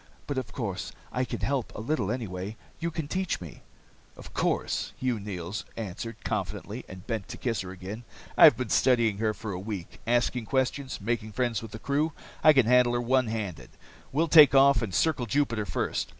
"But of course, I can help, a little anyway. You can teach me." "Of course," Hugh Neils answered confidently, and bent to kiss her again. "I've been studying her for a week, asking questions, making friends with the crew. I can handle her one handed. We'll take off and circle Jupiter first.